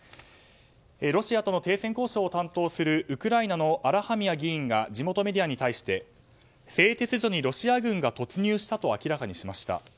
ロシアとの停戦交渉を担当するウクライナのアラハミア議員が地元メディアに対して製鉄所にロシア軍が突入したと明らかにしました。